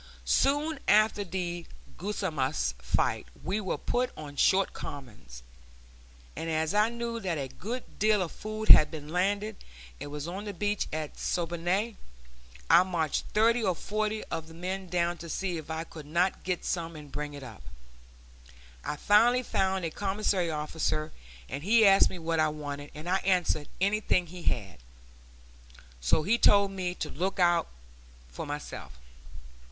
Soon after the Guasimas fight we were put on short commons; and as I knew that a good deal of food had been landed and was on the beach at Siboney, I marched thirty or forty of the men down to see if I could not get some and bring it up. I finally found a commissary officer, and he asked me what I wanted, and I answered, anything he had. So he told me to look about for myself.